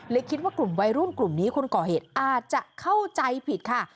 คิดว่ากลุ่มวัยรุ่นกลุ่มนี้คนก่อเหตุอาจจะเข้าใจผิดค่ะ